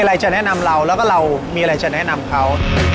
อะไรจะแนะนำเราแล้วก็เรามีอะไรจะแนะนำเขา